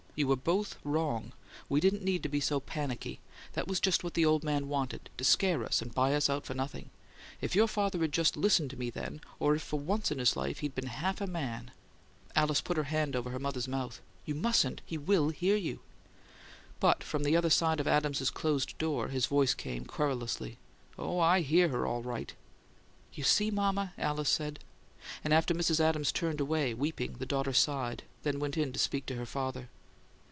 You were both wrong; we didn't need to be so panicky that was just what that old man wanted: to scare us and buy us out for nothing! If your father'd just listened to me then, or if for once in his life he'd just been half a MAN " Alice put her hand over her mother's mouth. "You mustn't! He WILL hear you!" But from the other side of Adams's closed door his voice came querulously. "Oh, I HEAR her, all right!" "You see, mama?" Alice said, and, as Mrs. Adams turned away, weeping, the daughter sighed; then went in to speak to her father.